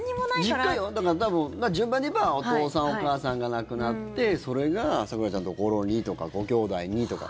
だから多分、順番でいえばお父さん、お母さんが亡くなってそれが咲楽ちゃんのところにとかごきょうだいにとか。